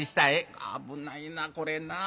危ないなこれなぁ。